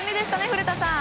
古田さん。